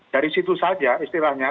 dari situ saja istilahnya